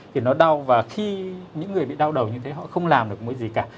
thì nó đau và khi những người bị đau đầu như thế họ không làm được cái gì cả